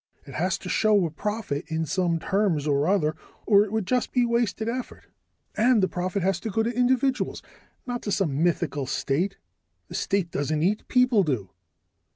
It has to show a profit in some terms or other, or it would just be wasted effort. And the profit has to go to individuals, not to some mythical state. The state doesn't eat people do."